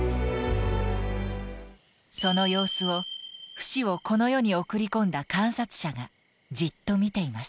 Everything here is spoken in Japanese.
その様子をフシをこの世に送り込んだ観察者がじっと見ています。